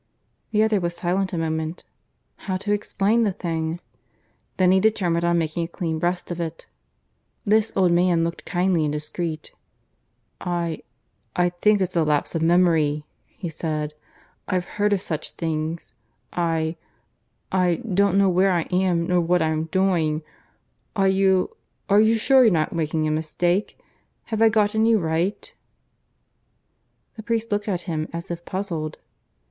The other was silent a moment. How, to explain the thing! ... Then he determined on making a clean breast of it. This old man looked kindly and discreet. "I ... I think it's a lapse of memory," he said. "I've heard of such things. I ... I don't know where I am nor what I'm doing. Are you ... are you sure you're not making a mistake? Have I got any right ?" The priest looked at him as if puzzled.